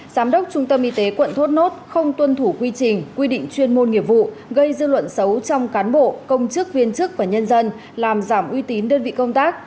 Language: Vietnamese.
giám đốc trung tâm y tế quận thốt nốt không tuân thủ quy trình quy định chuyên môn nghiệp vụ gây dư luận xấu trong cán bộ công chức viên chức và nhân dân làm giảm uy tín đơn vị công tác